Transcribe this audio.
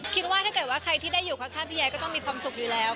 คิดว่าถ้าเกิดว่าใครที่ได้อยู่ข้างพี่ยายก็ต้องมีความสุขอยู่แล้ว